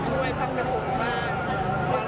ตอนนี้เป็นครั้งหนึ่งครั้งที่สองนะคะ